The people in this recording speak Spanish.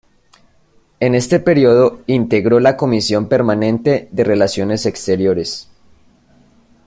En este período integró la comisión permanente de Relaciones Exteriores.